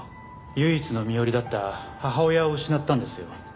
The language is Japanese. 唯一の身寄りだった母親を失ったんですよ。